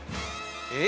え？